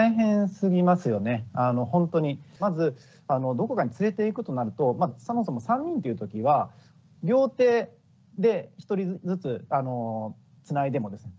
まずどこかに連れていくとなるとそもそも３人っていうときは両手で１人ずつつないでもですね